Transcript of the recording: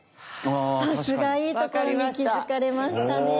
さすがいいところに気付かれましたね。